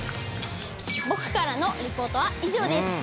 僕からのリポートは以上です。